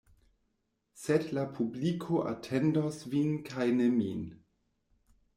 Sed la publiko atendos vin kaj ne min.